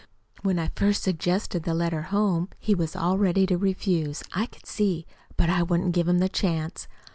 When I first suggested the letter home he was all ready to refuse, I could see; but I wouldn't give him the chance.